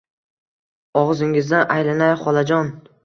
Og‘zingizdan aylanay, xolajon!